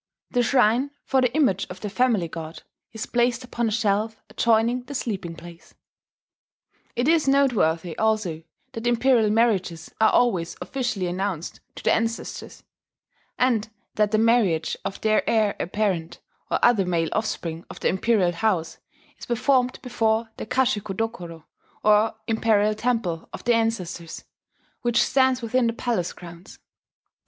The shrine for the image of the family god is placed upon a shelf adjoining the sleeping place." It is noteworthy also that Imperial marriages are always officially announced to the ancestors; and that the marriage of the heir apparent, or other male offspring of the Imperial house, is performed before the Kashiko dokoro, or imperial temple of the ancestors, which stands within the palace grounds.